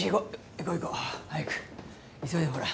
行こ行こ早く急いでほら。